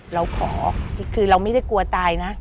เราขอคือเราไม่ได้กลัวตายนะ